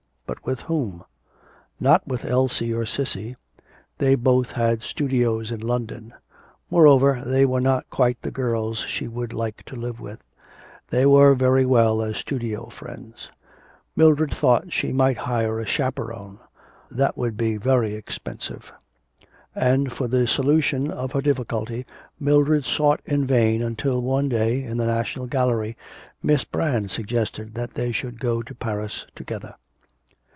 but with whom? Not with Elsie or Cissy they both had studios in London. Moreover, they were not quite the girls she would like to live with; they were very well as studio friends. Mildred thought she might hire a chaperon; that would be very expensive! And for the solution of her difficulty Mildred sought in vain until one day, in the National Gallery, Miss Brand suggested that they should go to Paris together.